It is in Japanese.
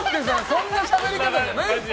そんなしゃべり方じゃないよ！